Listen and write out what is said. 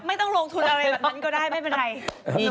ไม่ต้องลงทุนอะไรแบบนั้นก็ได้ไม่เป็นไร